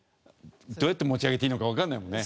どうやって持ち上げていいのかわかんないもんね。